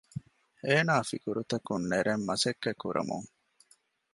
އޭނާ ފިކުރުތަކުން ނެރެން މަސައްކަތްކުރަމުން